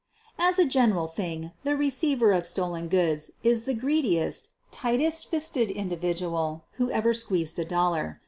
As a general thing the receiver of stolen goods is the greediest, tightest fisted individual who ever squeezed a dollar.